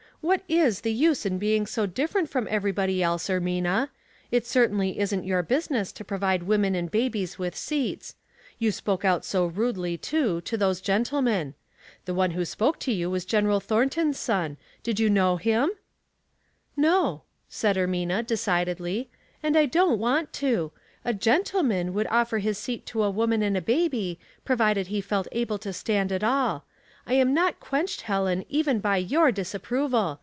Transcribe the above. *' What is the use in being so different from everybody else, Ermina. It certainly isn't your business to provide women and babies with seats. You spoke out so rudely, too, to those gentle men. The one who spoke to you was General Thornton's son. Did you know him ?" 16 242 Household Puzzles, "No," said Ermina, decidedly; "and I don't want to. A gentleman would offer his seat to a woman and a baby, provided he felt able to stand at all. I am not quenched, Helen, even by your disapproval.